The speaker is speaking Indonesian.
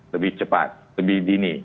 lebih cepat lebih dini